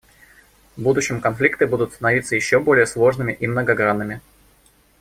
В будущем конфликты будут становиться еще более сложными и многогранными.